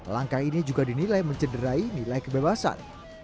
langkah ini juga dinilai mencederai nilai kebebasan